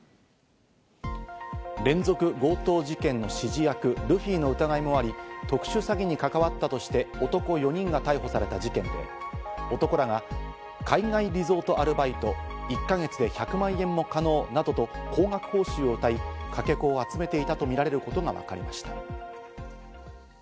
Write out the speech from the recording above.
連続強盗事件の指示役ルフィの疑いもあり、特殊詐欺に関わったとして男４人が逮捕された事件で、男らが海外リゾートアルバイト・１か月で１００万円も可能などと高額報酬をうたい、かけ子を集めていたとみられることがわかりました。